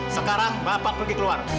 sekarang bapak pergi keluar